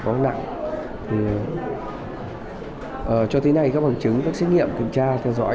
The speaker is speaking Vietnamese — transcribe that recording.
chúng tôi đã thấy là các bệnh nhân có thể trúng gió